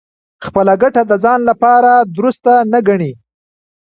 خپله ګټه د ځان لپاره دُرسته نه ګڼي.